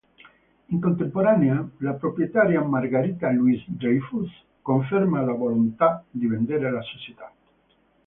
In contemporanea, la proprietaria Margarita Louis-Dreyfus conferma la volontà di vendere la società.